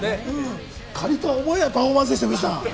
仮とは思えないパフォーマンス。